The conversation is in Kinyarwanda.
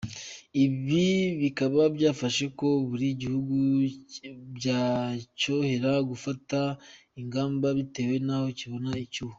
Ibi bikaba byafasha ko buri gihugu byacyorohera gufata ingamba bitewe n’aho kibona icyuho.